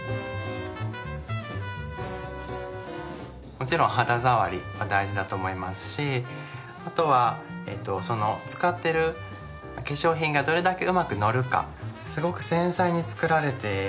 もちろん肌触りは大事だと思いますしあとはその使ってる化粧品がどれだけうまくのるか。